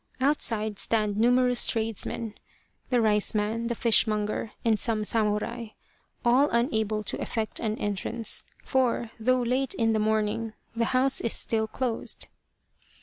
Outside stand numerous tradesmen the rice man, the fishmonger, and some samurai all unable to effect an entrance, for, though late in the morning, the house is still closed.